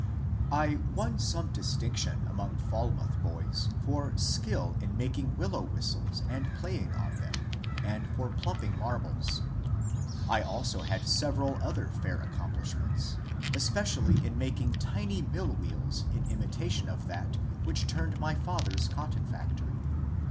I won some distinction among Falmouth boys for skill in making willow whistles and playing on them, and for plump ing marbles. I also had severiJ other fair accomplishments, especially in making tiny mill wheels in imitation of that which turned my father's cotton factory.